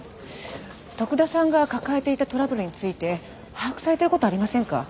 徳田さんが抱えていたトラブルについて把握されてる事ありませんか？